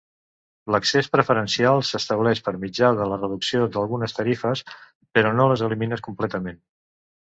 L'accés preferencial s'estableix per mitjà de la reducció d'algunes tarifes, però no les elimina completament.